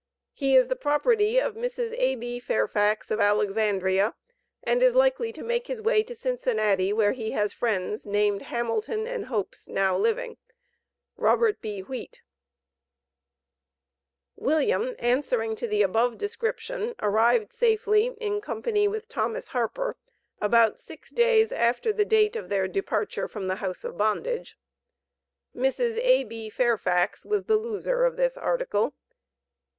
He is the property of Mrs. A.B. Fairfax, of Alexandria, and is likely to make his way to Cincinnati, where he has friends, named Hamilton and Hopes, now living. ROBT. W. WHEAT. William, answering to the above description, arrived safely in company with Thomas Harper, about six days after the date of their departure from the house of bondage. Mrs. A.B. Fairfax was the loser of this "article."